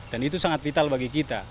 dan itu sangat vital bagi kita